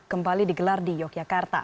kembali digelar di yogyakarta